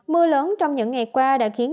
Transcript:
mưa lớn trong những ngày qua đã khiến